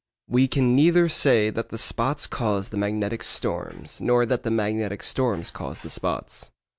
We can neither say that the spots cause the magnetic storms nor that the magnetic storms cause the spots.